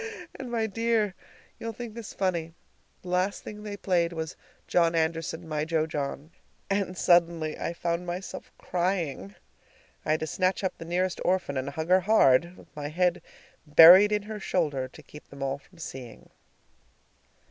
And, my dear you'll think this funny the last thing they played was "John Anderson, my jo John," and suddenly I found myself crying! I had to snatch up the nearest orphan and hug her hard, with my head buried in her shoulder, to keep them all from seeing.